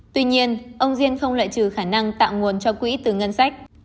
tuy nhiên ông diên không lợi trừ khả năng tạo nguồn cho quỹ từ ngân sách